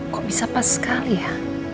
kok bisa pas sekali ya